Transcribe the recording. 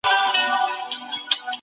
دوی دومره ورته نه دي چي يو علم يې وګڼو.